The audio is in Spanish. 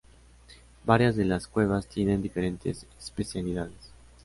Varias de las cuevas tienen diferentes especialidades.